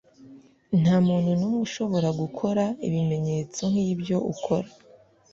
nta muntu n’umwe ushobora gukora ibimenyetso nk’ibyo ukora